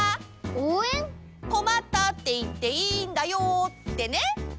「こまった」っていっていいんだよってね。